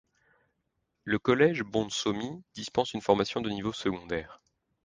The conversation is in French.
Le collège Bonsomi dispense une formation de niveau secondaire.